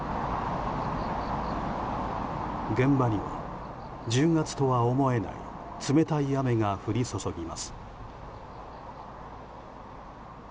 現場には、１０月とは思えない冷たい雨が降り注ぎます。